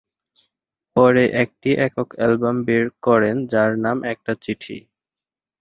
পরে একটি একক অ্যালবাম বের করেন যার নাম ‘একটা চিঠি’।